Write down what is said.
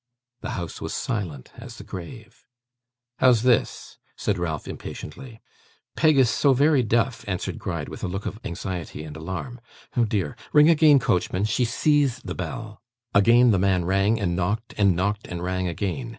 The house was silent as the grave. 'How's this?' said Ralph impatiently. 'Peg is so very deaf,' answered Gride with a look of anxiety and alarm. 'Oh dear! Ring again, coachman. She SEES the bell.' Again the man rang and knocked, and knocked and rang again.